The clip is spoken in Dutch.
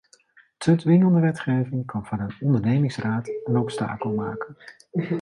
Te dwingende wetgeving kan van een ondernemingsraad een obstakel maken.